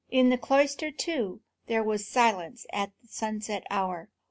In the cloister, too, there was silence at the sunset hour.